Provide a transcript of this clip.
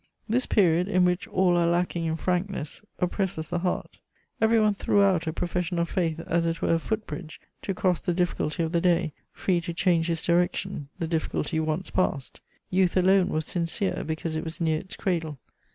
This period, in which all are lacking in frankness, oppresses the heart: every one threw out a profession of faith as it were a foot bridge to cross the difficulty of the day, free to change his direction, the difficulty once passed; youth alone was sincere, because it was near its cradle.